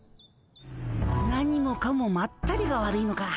何もかもまったりが悪いのか。